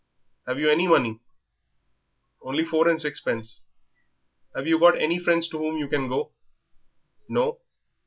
Have you any money?" "Only four and sixpence." "Have you got any friends to whom you can go?" "No."